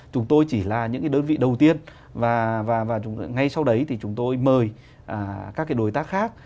chúng tôi chỉ là những đơn vị đầu tiên và ngay sau đấy thì chúng tôi mời các đối tác khác